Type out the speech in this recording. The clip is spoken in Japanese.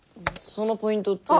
そのポイントって。